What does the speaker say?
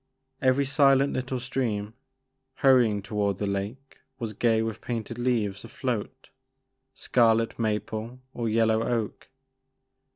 Every silent little stream, hurry ing toward the lake was gay with painted leaves afloat, scarlet maple or yellow oak.